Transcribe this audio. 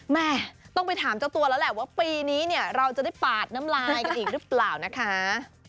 แม่ต้องไปถามเจ้าตัวแล้วแหละว่าปีนี้เนี่ยเราจะได้ปาดน้ำลายกันอีกหรือเปล่านะคะ